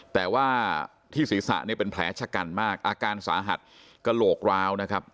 แต่ว่าที่ศีรษะเนี่ยเป็นแผลชะกันมากอาการสาหัสกระโหลกร้าวนะครับ